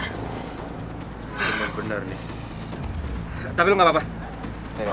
iya mungkin lah biar gak kebongkar